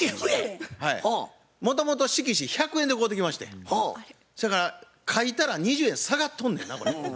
もともと色紙１００円で買うてきましてそやから書いたら２０円下がっとんのやなこれ。